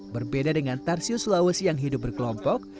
berbeda dengan tarsius sulawesi yang hidup berkelompok